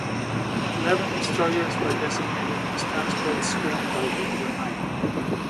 Eleven destroyers were designated as transports screened by the other nine.